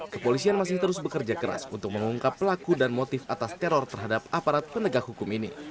kepolisian masih terus bekerja keras untuk mengungkap pelaku dan motif atas teror terhadap aparat penegak hukum ini